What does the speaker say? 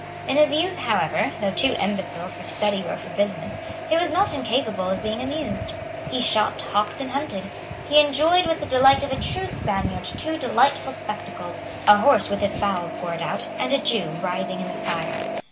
In his youth, however, though too imbecile for study or for business, he was not incapable of being amused. He shot, hawked and hunted. He enjoyed with the delight of a true Spaniard two delightful spectacles, a horse with its bowels gored out, and a Jew writhing in the fire.